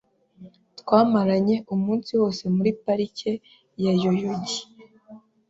Twamaranye umunsi wose muri Parike ya Yoyogi .